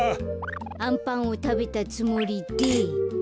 あんパンをたべたつもりで。